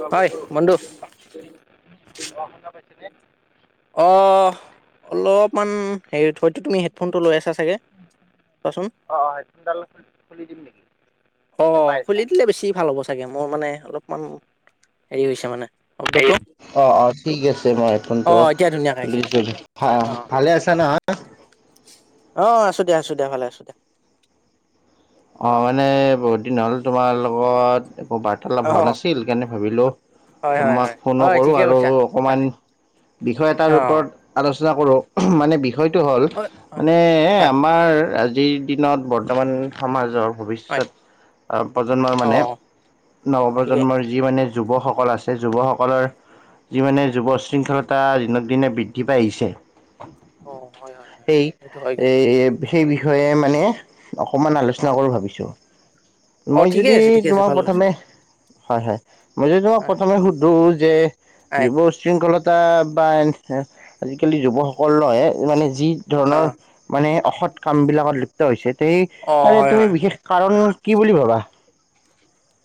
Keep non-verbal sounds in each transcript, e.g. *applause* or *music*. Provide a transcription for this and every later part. অঁ, হয় বুধু বন্ধু *inaudible* অঁ, শুনা পাইছে নে? অঁ, অলপমান হেৰি হয়তো তুমি হেডফোন টো লৈ আছা। চাগে চোৱাচোন অঁ অঁ হেডফোনডাল খুলি দিম নেকি নে অঁ, পাই খুলি আছা দিলে বেছি ভাল হ'ব চাগে, মোৰ মানে অলপমান হেৰি হৈছে মানে। শব্দটো অঁ', অঁ', ঠিক আছে, মই অ এতিয়া ধুনীয়াকে আহিছে দিয়া ভালে আছা না অঁ আছো দিয়া আছো দিয়া ভালে আছো দিয়া অ অঁ মানে বহুত দিন হ'ল তোমাৰ লগত একো বাৰ্তালাপ অ হোৱা নাছিল সেইকাৰণে ভাবিলোঁ হয় হয় মাক হয় ফোনো হয় কৰোঁ ঠিকে আৰু কৈছা অকণমান তাকে বিষয় অ এটাৰ ওপৰত আলোচনা কৰো মানে বিষয়টো হ'ল হয় হয় মানে হয় আমাৰ যি দিনত বৰ্তমান সমাজক হয় ভৱিষ্যত প্ৰজন্মৰ অ মানে ঠিকে নৱপ্ৰজন্মৰ যি মানে যুৱকসকল আছে যুৱসকলৰ যি মানে যুৱশৃংখলতা দিনক দিনে বৃদ্ধি পাই আহিছে অ হয় হয় হয় সেই সেইটো হয় কিন্তু এ সেই বিষয়ে মানে অকনমান অ আলোচনা কৰোঁ ভাবিছো অ মই ঠিকে যদি আছে ঠিকে আছে তোমাক ভাল কৰিছে প্ৰথমে হয় হয় মই যদি তোমাক হয় প্ৰথমে সুধো যে হয় যুৱ আজিকালি যুৱক সকলক ইমানেই যি অ ধৰণৰ মানে অসৎ কামবিলাকত লিপ্ত হৈছে। সেই অ আৰে হয় তুমি হয় বিশেষ কাৰণ, কি বুলি ভাবা?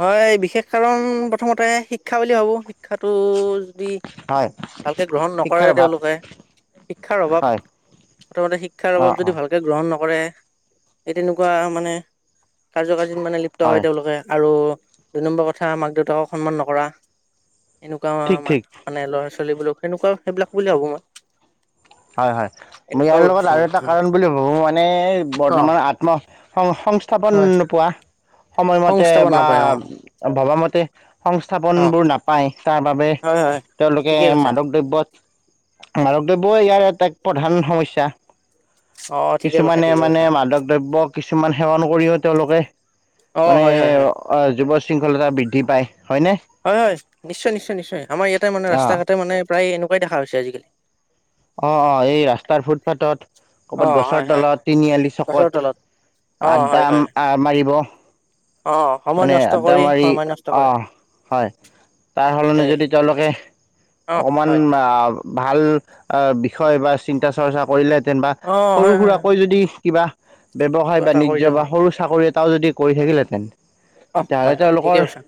হয়, বিশেষ কাৰণ প্ৰথমতে শিক্ষা বুলি ভাবো, শিক্ষাটো- দুই, হয় ভালকে গ্ৰহণ নকৰে শিক্ষাৰ অভাৱ তেওঁলোকে শিক্ষাৰ অভাৱ, হয় প্ৰথমতে শিক্ষাৰ অ অভাৱ অ যদি ভালকে গ্ৰহণ, নকৰে তেনেকুৱা মানে কাৰ্য, দিন মানে লিপ্ত হয় তেওঁলোকে আৰু, - দুই নম্বৰ কথা মাক- দেউতাকক সন্মান নকৰা। এনেকুৱা মান ঠিক ঠিক -মানে, লৰা- ছোৱালী, ছোৱীলীবোৰক সেনেকুৱা সেইবিলাক বুলি ভাবো মই। হয়- হয় মই এনেকুৱাও ইয়াৰ লগত ভাবিছো আৰু মই এটা কাৰণ বুলি ভাবো মানে অ বৰ্তমান আত্মসং, -স্থাপন হয় নোপোৱা। সময়মতে সংস্থাপন বা নাপায় অ ভবা মতে। তে, - অ সংস্থাপনবোৰ নাপায় তাৰ বাবে হয় হয় তেওঁলোকে ঠিকে কৈছা মাদক দ্ৰব্যত মাদক, ওঃ ইয়াৰ এটা প্ৰধান সমস্যা। অ ঠিকে কৈছা কিছুমানে ঠিকে মানে কৈছা মাদক দ্ৰব্য কিছুমান সেৱন কৰিও তেওঁলোকে অ মানে হয় হয় হয় যুৱ, শৃংখলতা বৃদ্ধি পায়। হয়নে হয়- হয়, নিশ্চয় -নিশ্চয় -নিশ্চয় আমাৰ ইয়াত, তে মানে অ ৰাস্তা - ঘাটে মানে, প্ৰায় এনেকুৱাই দেখা হৈছে আজিকালি। অহ ', অহ ', এই ৰাস্তাৰ ফুটপাথত, অ ক'ৰবাত গছৰ হয় হয় তলত, তিনিআলি গছৰ চকত, তলত অ হয় আড্ডা হয় মাৰিব। অ সময় মানে নষ্ট আড্ডা কৰি মাৰি সময় নষ্ট কৰে অহ, হয় তাৰ তাকে সলনি যদি তেওঁলোকে অ অকণমান, হয় ভাল -বিষয় বা চিন্তা -চৰ্চা কৰিলে, যেনবা অ সৰু হয় হয় হয় -সুৰাকৈ যদি কিবা, ব্যৱসায় কিবা এটা -বাণিজ্য কৰিলে বা হয় সৰু চাকৰিত, তাও যদি কৰি থাকিলেহেঁতেন অ হয় তেতিয়াহ'লে হয় তেওঁলোকৰ ঠিকে কৈছা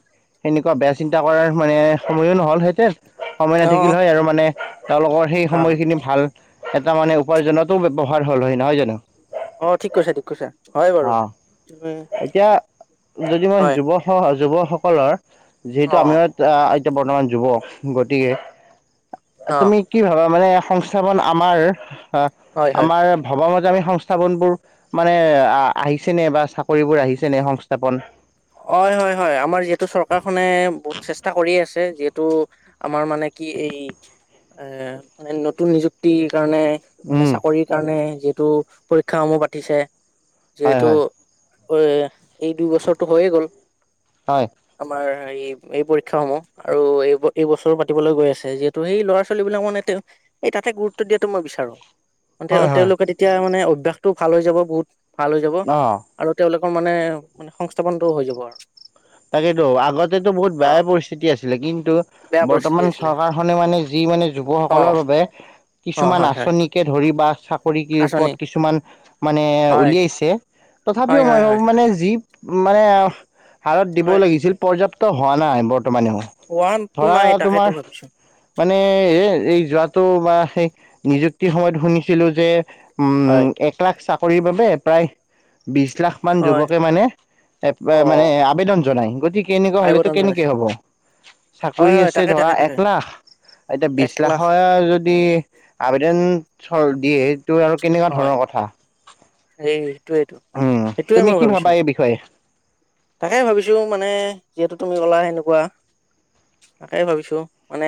সেনেকুৱা বেয়া চিন্তা কৰাৰ মানে, সময়ো নহলহেঁতেন। সময় অ নাথাকিল হয় আৰু মানে, তেওঁলোকৰ সেই অ সময়খিনি ভাল, এটা মানে উপাৰ্জনতো ব্যয়ৱহাৰ হ'ল হয় নহয় জানো অ ঠিক কৈছো ঠিক কৈছো হয় বাৰু অ' এতিয়া যদি মই হয় যুৱ যুৱ সকলৰ অ যিহেতু আমি এয়া বৰ্তমান যুৱ গতিকে অ তুমি কি ভাবা মানে সংস্থাপন আমাৰ হয় হয় হয় আমাৰ ভবাম সংস্থাপনবোৰ মানে আহিচে নে এবাৰ কৰিববোৰ আহিছে নে সংস্থাপন হয় হয় হয় আমাৰ যিহেতু চৰকাৰখনে বহুত চেষ্টা কৰিয় আছে যিহেতু আমাৰ মানে কি এই এ মানে নতুন নিযুক্তি কাৰণে মানে উম চাকৰি কাৰণে যি তটো পৰীক্ষা সমূহ পাতিছে হয় যিহেতু হয় অ এই দু টো হৈয়ে গ'ল হয় আমাৰ এই এই পৰীক্ষা সমূহ আৰু এই এই বছৰো পাতিবলৈ গৈ আছে যিহেতু সেই ল'ৰা ছোৱালী বিলাক মানে এই তাতে গুৰুত্ব দিয়াতটো মই বিচাৰো। হয় হয় তেওঁলোকে তেতিয়া মানে টো ভাল হৈ যাব বহুত ভাল হৈ যাব অ আৰু তেওঁলোক মানে মানে সংস্থাপনটোটো হৈ যাব আৰু তাকেতো আগতেতো বহুত অ বেয়াই পৰিস্থিতি আছিলে কিন্তু বেয়া পৰিস্থিতি বৰ্তমান আছিলে চৰকাৰখনে মানে যি মানে অ যুৱসকলৰ বাবে অ কিছুমান হয় হয় আঁচনিকে ধৰ কৰিবা চা পৰি আঁচনি পথ কিছুমান মানে হয় উলিয়াইছে হয় তথাপিও হয় মই ভাবো হয় মানে যি মানে হাৰত দিবও হয় লাগিছিল পৰ্যাপ্ত টো হোৱা নাই বৰ মানে ওৱান টু ধৰা নাই তাকেতো তোমাৰ ভাবিছো মানে এই এই যোৱাতো বা সেই নিযুক্তি সময়ত শুনিছিলো যে উম, হয় এক লাখ চা শৰীৰ বাবে প্ৰায় বিশ লাখ মান হয় যুৱকে মানে, এ অ মানে জনাই গতিকে এনেকুৱা হ'লেতো আইবদন কেনেকে জনাইছে হ'ব, হয় চাকৰি হয় আছে তাকে ধৰা তাকে এক তাকে লাখ, এতিয়া বিশ এক লাখ লাখৰ যদি আবেদন চৰ দিয়ে তো আৰু কেনেকুৱা হয় ধৰণৰ কথা, সেই সেইটোয়েইটো উম! সেইটোয়ে তুমি কি ভাবা এই বিষয়ে? তাকেই ভাবিছোঁ মানে যিহেতু তুমি ক'লা সেনেকুৱা। তাকেই ভাবিছোঁ মানে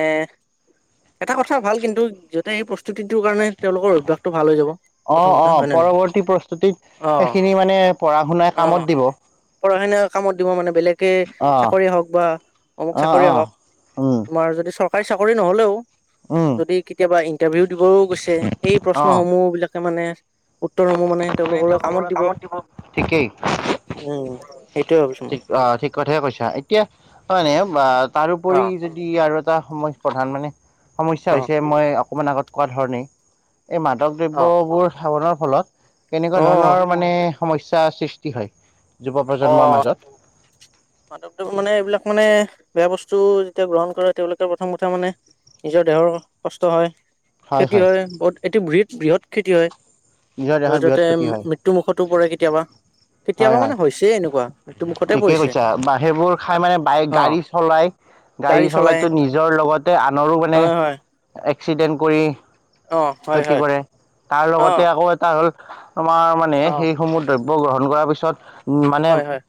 এটা কথা ভাল কিন্তু যতে সেই প্ৰস্তুতিটোৰ কাৰণে তেওঁলোকৰ অভ্যাসটো ভাল হৈ যাব। অ প্ৰথম অ কথা হয় ন নহয় পৰৱৰ্তী প্ৰস্তুতিত অ সেইখিনি মানে পঢ়া শুনাই কামত অঁ দিব অ পঢ়াখিনিয় কামত দিব মানে বেলেগে, চাকৰিয়ে হওক বা অমুক অ অ চাকৰিয়ে হওক উম তোমাৰ যদি চ হয় চাকৰি নহ'লেও উম যদি কেতিয়াবা ইন্টাৰভিউ দিবও গৈছে, সেই অ প্ৰশ্নসমূহ বিলাক মানে উত্তৰসমূূহ মানে, তেওঁলোকলৈ কামত দিব। ঠিকেই উম! সেইটোয়ে ভাবিছো মই। ঠিক অ ঠিক কথাইে কৈছা, এতিয়া মানে বা তাৰোপৰি অ', যদি আৰু সময় প্ৰধান মানে। সমস্যা অ', হৈছে, মই অকণমান আগত কোৱা ধৰণেই। এই মাদক দ্ৰব্যবোৰ সেৱনত। ফলত তেনেকুৱা ধৰণৰ মানে সমস্যাৰ সৃষ্টি হয়। যুৱ প্ৰজন্মৰ মাজত মাধৱদেৱ মানে, এইবিলাক মানে, বেয়া বস্তু যেতিয়া গ্ৰহণ কৰে, তেওঁলোকে প্ৰথম কথা মানে নিজৰ দেহৰ কষ্ট হয় খেতি হয় বহুত, এটো ব্ৰি বৃহৎ খেতি হয়। নিজৰ দেহৰ যতে বৃহৎ ততে ক্ষতি হয় মৃত্যু মুুখতো পৰে কেতিয়াবা। কেতিয়াবা হয় হয় মানে হৈছে এনেকুৱা, তুৰ মুখতে ঠিকেই পৰিছে। কৈছা বা সেইবোৰ খাই মানে বাইক অ', গাড়ী চলায়, গাড়ী চলাইতো নিজৰ লগতে আনৰো মানে হয়, হয়, এক্সিডেণ্ট কৰি। অ', হয়, ক্ষতি হয়, কৰে তাৰ লগতে অ', আকৌ এটা হ'ল তোমাৰ মানে অ', সেইসমূহ দ্ৰব্য বৌ গ্ৰহণ কৰা পিছত মানে হয়, হয়,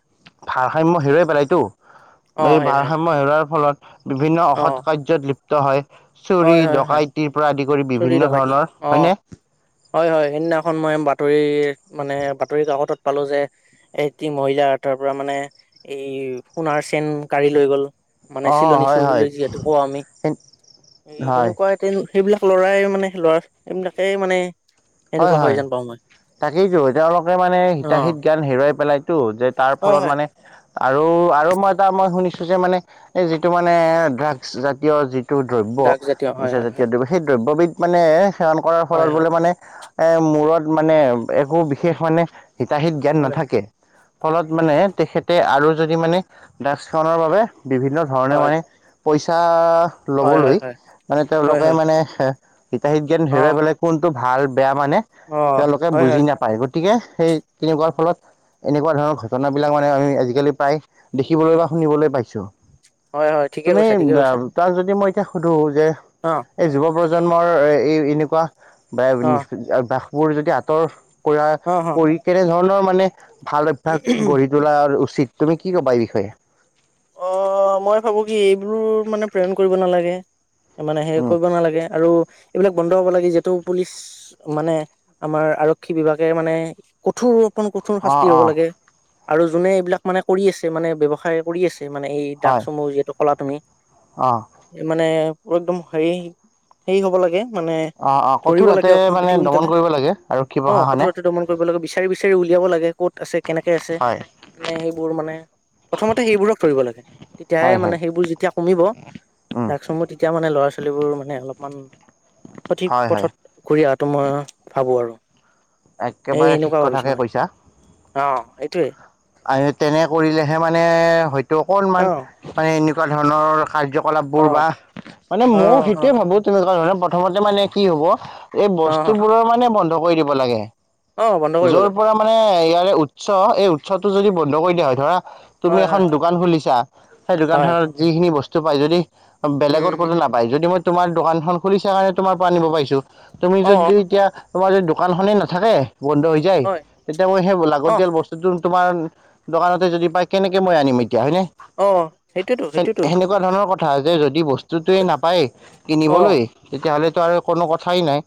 ভাৰসাম্য হেৰুৱাই পেলাইতো অ', এই হয়, হয়, ভাৰসাম্য হেৰুৱাৰ ফলত বিভিন্ন অসৎ অ', কাৰ্যত লিপ্ত হয় চুৰি হয়, হয়, হয়, ডকাইতিৰ পৰা আদি চুৰি বিভিন্ন ডকাইতি ধৰণৰ অ'। হয়নে হয় হয় সেইদিনাখন মই বাতৰি মানে বাতৰি কাকতত পালো যে এটি মহিলা তাৰ পৰা মানে এই সোণাৰ চেন কাঢ়ি লৈ গল মানে অ চিলনী হয় চুৰ বুলি হয় যিহেতু কওঁ আমি এই হয় সেনেকোৱা তেন সেইবিলাক ল'ৰাই মানে ল'ৰা এইবিলাকেই মানে হয় সেনেকুৱা হয় যেন পাওঁ মই তাকেইতো তেওঁলোকে মানে অ হিতাহীত গান হেৰুৱাই পেলাইতো যে তাৰ হয় ফলত হয় মানে আৰু আৰু মই এটা মই শুনিছো যে মানে এই যিটো মানে ড্ৰাগছ জাতীয় যি দ্ৰব্য ড্ৰাগছ জাতীয় হয় নিচা হয় জাতীয় হয় দ্ৰব্য সেই দ্ৰব্যবিধ মানে সেৱন কৰাৰ হয় ফলত বোলে মানে এ মূৰত মানে একো বিশেষ মানে হিতাহিত জ্ঞান হয় নাথাকে ফলত মানে তেখেতে আৰু যদি মানে ড্ৰাগছখনৰ বাবে বিভিন্ন ধৰণে হয় মানে পইচা হয় হয় ল'বলৈ হয় মানে হয় হয় তেওঁলোকে হয় মানে এ হিতাহিত জ্ঞান অ হেৰুৱাই পেলালে কোনটো ভাল বেয়া মানে অ তেওঁলোকে হয় বুজি হয় নাপায় গৈ গতিকে সেই অ তেনেকোৱাৰ ফলত এনেকোৱা ধৰণৰ ঘটনাবিলাক মানে আমি আজিকালি প্ৰায় দেখিবলৈ বা শুনিবলৈ পাইছো হয় হয় ঠিকে তুমি কৈছা ঠিকে কৈছা তাৰ যদি মই এতিয়া সুধো যে অ এই যুৱক প্ৰজন্মৰ এই এনেকুৱা বাই অ - বাঘবোৰ যদি আঁতৰ কৰা অ অ কৰি কেনেধৰণৰ মানে ভাল অভ্যাস গঢ়ি তোলা উচিত তুমি কি ক'বা এই বিষয়ে? অ মই ভাবো কি এইবোৰ মানে প্ৰেৰণ কৰিব নালাগে। মানে হেৰি উম কৰিব নালাগে আৰু এইবিলাক বন্ধ হব লাগে। যিহেতু পুলিচ মানে আমাৰ আৰক্ষী বিভাগে মানে কঠোৰ- কণ কঠোৰ অঁ শাস্তি হ'ব অঁ লাগে। আৰু যোনে এইবিলাক মানে কৰি আছে, মানে ব্যৱসায় কৰি আছে মানে এই দাগ হয় সমূহ যিহেতু কলা তুমি অঁ এই মানে একদম হেৰি, সেই হ'ব লাগে মানে অ', অ', ধৰিব কঠোৰ হাতে লাগে অতি মানে দমন সোনকালে কৰিব লাগে। আৰক্ষী প্ৰশাসনে। বিচাৰি-বিচাৰি উলিয়াব লাগে। কত আছে, কেনেকে আছে, হয় মানে সেইবোৰ মানে প্ৰথমত সেইবোৰক ধৰিব লাগে। তেতিয়াহে হয় মানে হয় সেইবোৰ যেতিয়া কমিব, উম ড্ৰাগছসমূহ তেতিয়া মানে ল'ৰা-ছো ছোৱালীবোৰ মানে অলপমান সঠিক হয় হয় পথত ঘূৰি আহ সিটো মই, ভাবো আৰু এ একেবাৰে ঠিক এনেকুৱা ভাবিছো কথাকে মই, কৈছা অ', এইটোৱে। আৰু তেনে কৰিলেহে মানে হ‌ইত তো অ অকণমান, মানে এনেকু তেনেকুৱা ধৰণৰ কাৰ্যকলাপ বোৰ অ বাহ্, মানে অ মই সেইটোৱে ভাবো, তেনেকুৱা ধৰণে প্ৰথমতে মানে কি হ'ব এই অ অ বস্তু বোৰৰ মানে বন কৰি দিব লাগে। অ বন্ধ কৰিব যৰ লাগে পৰা মানে ইয়াৰ এ উৎস, এই উৎ উৎসটো যদি বন্ধ কৰি দিয়া হয়। ধৰা তুমি হয় এখন হয় দোকান খুলিছা, সেই হয় দোকানখনত যিখিনি বস্ত সিটো পাই যদি অ, উম বেলেগত উম ক'তো নাপায়, যদি মই তোমাৰ দোকানখন খুলিছা কাৰণে তোমাৰ পৰা আনিব পাৰিছো। তুমি অ যদি এতিয়া তোমাৰ যদি দোকানখনেই নাথাকে বন্ধ হৈ যায়, হয় তেতিয়া মই সেই অ লাগতিয়াল বস্তুটো তোমাৰ, দোকানতে যদি পায় কেনেকে মই আনিম এত এতিয়া হয় নে। অ সেইটোয়েতো সেইটোয়েতো সে-সেনেকুৱা ধৰণৰ কথ কথা, আজে যদি বস বস্তুটোৱে নাপায়, অ কিনিবলৈ তেতিয়াহ'লে ত আৰু কোনো কথাই নাই।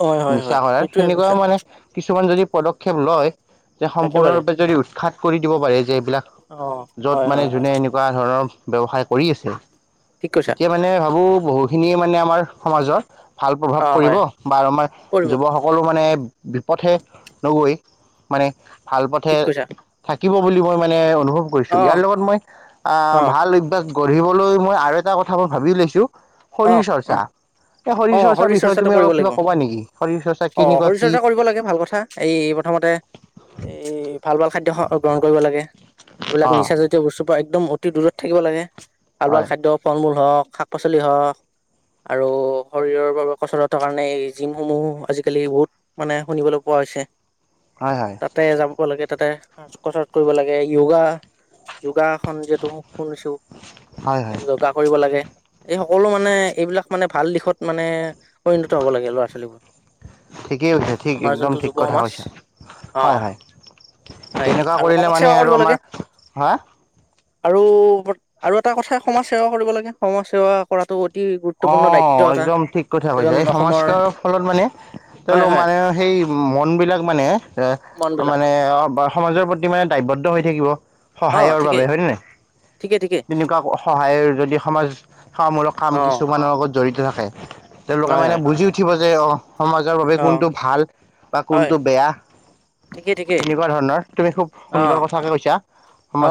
হয় নিচা হয়, সেইটোয়ে সেনেকুৱাও কৈছা মানে কিছুমান যদি পদক্ষেপ লয় যে একেবাৰে সম্পূৰ্ণৰূপে উৎখাত কৰি দিব পাৰে যে বিলাক অ য'ত হয় মানে হয় হয় যোনে এনেকুৱা ধৰণৰ ব্যৱসায় কৰি আছে? ঠিক কৈছা এতিয়া মানে ভাবো! বহুখিনিয়ে মানে আমাৰ সমাজৰ ভাল প্ৰভাৱ অ পৰিব হয় বা আমাৰ পৰিব যুৱ সকলো মানে বিপথে নগৈ মানে ভাল পথে *inaudible* শিকিব বুলি মই মানে অনু *unintelligible* অনুভৱ কৰিছো অ ইয়াৰ লগত মই আহ অ ভাল অভ্যাস গঢ়িবলৈ মই আৰু এটা কথা মই ভাবি লৈছোঁ! অ শৰীৰ অ চৰ্চা এই অ চৰ্চাৰ শৰীৰ বিষয়ে চৰ্চাটো তুমি কৰিব অলপ লাগিব কিবা ক'বা নেকি শৰীৰ চৰ্চা অ কেনেকুৱা শৰীৰ কি চৰ্চা কৰিব লাগে ভাল কথা এই প্ৰথমতে এই ভাল ভাল খাদ্য স গ্ৰহণ কৰিব লাগে। অ', এইবিলাক নিচাজাতীয় বস্তু বা একদম অতি দূৰত থাকিব লাগে। ভাল ভাল হয়, খাদ্য ফল মূল হওক শাক পাচলি হওক আৰু শৰীৰৰ বাবে কচৰতৰ কাৰণে এই জিম সমূহো আজিকালি বহুত মানে শুনিবলৈ পোৱা হৈছে। হয় হয়। ক লাগে তাতে সাজ *unintelligible* কচৰত কৰিব লাগে, য়োগা যোগা খন যিহেতু শুনিছো, হয়, হয়, যোগা কৰিব লাগে। এই সকলো মানে মানে এইবিলাক মানে ভাল দিশত মানে পৰিণত হ'ব লাগে ল'ৰা ছোৱালীবোৰ ঠিকেই হৈছে ঠিক আমাৰ একদম যোনটো ঠিক যুৱ কথা সমাজ কৈছা, অ হয়- হয় হয় তেনেকুৱা আৰু কৰিলে সমাজ মানে সেৱা আৰু আমাৰ হা আৰু-আৰু এটা কথাই সমাজ সেৱা কৰিব লাগে, সমাজ সেৱা কৰাটো অ অঁ, একদম ঠিক কথা কৈছা, এজন এই সমাজ অসমৰ সেৱা ফলত মানে হয় তেওঁলোক হয় মানে সেই মনবিলাক মানে এ মন বিলাক মানে অ সমাজৰ প্ৰতি মানে দায়বদ্ধ হৈ থাকিব। অ সহায়ৰ বাবে ঠিকেই হয় নে নাই, ঠিকে ঠিকে তেনেকুৱা সহায়ৰ যদি সমাজ সেৱামূলক কাম অ কিছু লগত জড়িত থাকে। তেওঁলোকে হয় মানে হয় বুজি উঠিব দে অঁ সমাজৰ বাবে অ কোনটো ভাল বা হয় কোনটো বেয়া, ঠিকেই ঠিকেই তেনেকুৱা ধৰণৰ তুমি খুব অ সুন্দৰ কথাকে কৈছা।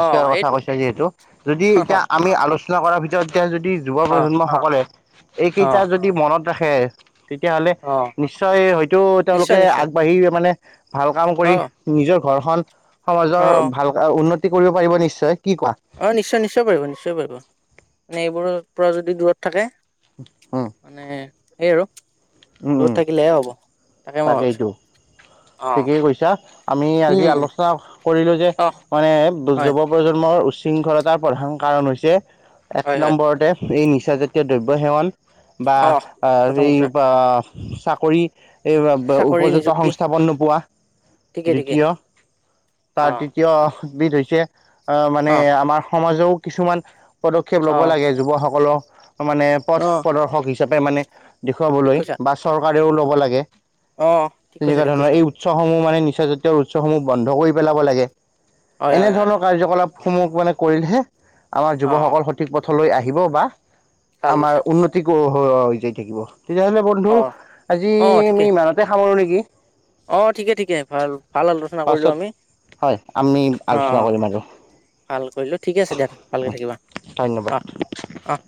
অ সেৱা কথা এইটো কৈছা যিহেতু যদি এতিয়া আমি আলোচনা কৰাৰ ভিতৰত এতিয়া যদি যুৱ অ প্ৰজন্ম সকলে অ এইকেইটা যদি মই মনত ৰাখে তেতিয়াহ'লে অ নিশ্চয় হয়তো নিশ্চয় তেওঁলোকে নিশ্চয় আগবাঢ়ি মানে ভাল কাম অ কৰি, নিজৰ ঘৰখন সমাজৰ ভালকে উন্নতি সি কৰিব পাৰিব নিশ্চয়। কি কোৱা অঁ নিশ্চয়-নিশ্চয় পাৰিব, নিশ্চয় পাৰিব। মানে এইবোৰৰ পৰা যদি দূৰত থাকে উম মানে সেই আৰু। দূৰত থাকিলেহে হ'ব। তাকে মই ভাবিছো তাকেইটো, অ ঠিকেই কৈছা আমি আজি উম আলোচনা কৰিলো যে অ মানে হয় যুৱ প্ৰজন্মৰ উচ্চ শৃংখলতাৰ প্ৰধান কাৰণ হৈছে এক হয় হয় নম্বৰতে এই নিচা জাতীয় দ্ৰব্য সেৱন বা অ আ প্ৰথম এই কথা সোপা চাকৰি *unintelligible* চাকৰি উপযুক্ত নিযুক্তি সংস্থাপন নোপোৱা ঠিকে *inaudible* ঠিকে দ্বিতীয় *inaudible* তাৰ অ ঠিক তৃতীয়বিধ হৈছে অ মানে অ আমাৰ সমাজও কিছুমান পদক্ষেপ অ লব লাগে যুৱকসকলক মানে পথ অ প্ৰদৰ্শক হিছ কেইটা মানে ঠিক দেখুৱাবলৈ কৈছা বা চৰকাৰ তেওঁ লব লাগে অ ঠিক কৈছা তেনেকুৱা ঠিক কৈছা ধৰণৰ এই উৎসৱসমূহ মানে নিচা জাতীয় উৎসৱসমূহ বন্ধ কৰি পেলাব লাগে। হয় হয় হয় হয় এনেধৰণৰ কাৰ্যকলাপ স মোক মানে কৰিলহে আমাৰ অ যুৱকসকল সঠিক পথ লৈ আহিব বা ভাল আমাৰ কৈছা উন্নতিক হয় অ হৈ যাই থাকিব তেতিয়াহ'লে বন্ধু অ আজি অ ঠিকে তাতে *unintelligible* নেকি অ ঠিকে ঠিকে ভাল ভাল আলোচনা কৰিলোঁ পাছত আমি হয় আমি অ আলোচনা কৰিম আৰু ভাল কৰিলোঁ ঠিকে আছে দিয়া ভালকৈ থাকিবা ধন্যবাদ অ অহ